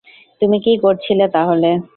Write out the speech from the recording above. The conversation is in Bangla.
তুমি কি করছিলে তাহলে?